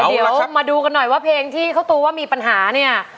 เดี๋ยวมาดูกันหน่อยว่าเพลงที่เขาตูว่ามีปัญหาเนี่ย